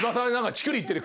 チクりいってる。